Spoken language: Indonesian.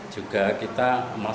juga kita melaksanakan